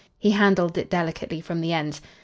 He handled it delicately from the ends.